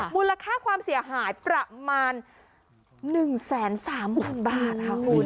มูลค่าความเสียหายประมาณ๑๓๐๐๐บาทค่ะคุณ